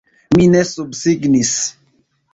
Mi ne subsignis!